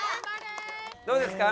どうですか？